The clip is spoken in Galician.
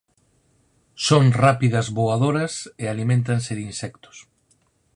Son rápidas voadoras e aliméntanse de insectos.